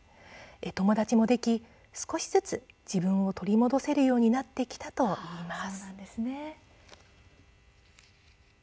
友達もでき、少しずつ自分を取り戻せるようになってきたといいます。